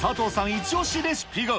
一押しレシピが。